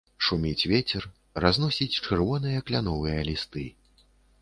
Шуміць вецер, разносіць чырвоныя кляновыя лісты.